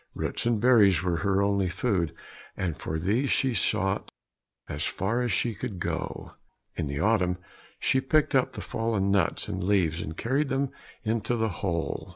Roots and wild berries were her only food, and for these she sought as far as she could go. In the autumn she picked up the fallen nuts and leaves, and carried them into the hole.